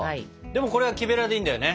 でもこれは木べらでいいんだよね。